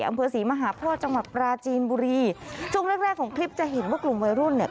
อำเภอศรีมหาโพธิจังหวัดปราจีนบุรีช่วงแรกแรกของคลิปจะเห็นว่ากลุ่มวัยรุ่นเนี่ย